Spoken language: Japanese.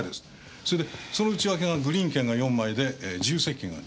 それでその内訳がグリーン券が４枚で自由席が１２枚。